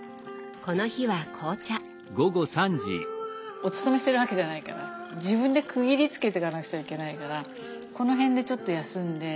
お勤めしてるわけじゃないから自分で区切りつけてかなくちゃいけないからこの辺でちょっと休んで。